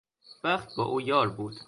بخت با او یار بود.